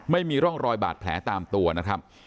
ไม่มีร่องรอยบาดแผลตามตัวนะครับ